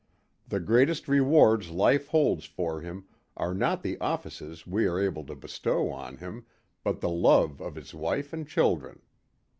The greatest rewards life holds for him are not the offices we are able to bestow on him but the love of his wife and children."